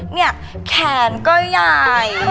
เนี่ยแขนก็ใหญ่